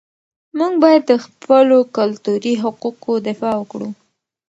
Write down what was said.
موږ باید د خپلو کلتوري حقوقو دفاع وکړو.